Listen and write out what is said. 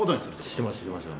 してましたしてました。